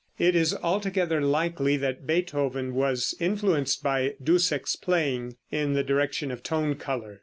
It is altogether likely that Beethoven was influenced by Dussek's playing, in the direction of tone color.